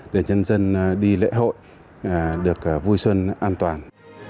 để nhân dân đi lễ hội được vui xuân an toàn